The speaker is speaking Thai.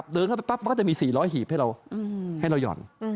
เดินเข้าไปปั๊บมันก็จะมี๔๐๐หีบให้เราให้เราห่อน